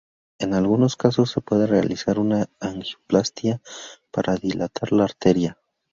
En algunos casos se puede realizar una angioplastia para dilatar la arteria.